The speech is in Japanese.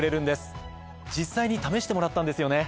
実際に試してもらったんですよね？